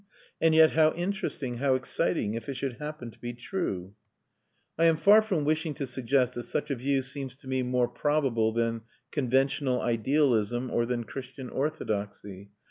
And yet how interesting, how exciting, if it should happen to be true! I am far from wishing to suggest that such a view seems to me more probable than conventional idealism or than Christian orthodoxy.